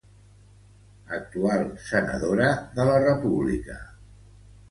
Actual senadora de la República.